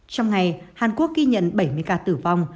trong ngày hàn quốc ghi nhận bảy mươi ca tử vong